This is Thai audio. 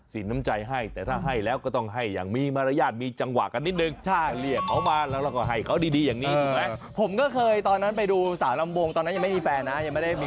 อรรถไม่ได้ล้อนล้อนอะไรขนาดนั้นนะครับอ่าตอนนั้นเป็นยังไง